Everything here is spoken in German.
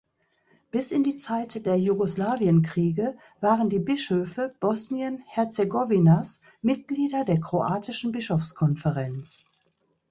Bis in die Zeit der Jugoslawienkriege waren die Bischöfe Bosnien-Herzegowinas Mitglieder der kroatischen Bischofskonferenz.